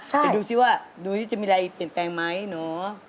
แต่ดูสิว่าดูนี้จะมีอะไรเปลี่ยนแปลงไหมเนาะ